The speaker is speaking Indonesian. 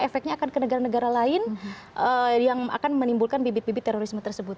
efeknya akan ke negara negara lain yang akan menimbulkan bibit bibit terorisme tersebut